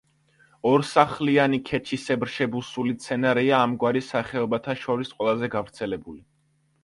ორსახლიანი ქეჩისებრ შებუსული მცენარეა, ამ გვარის სახეობათა შორის ყველაზე გავრცელებული.